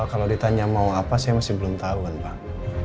kalau ditanya mau apa saya masih belum tahu kan pak